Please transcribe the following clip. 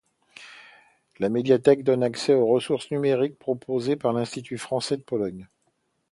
La médiathèque donne accès aux ressources numériques proposées par l'Institut français de Pologne.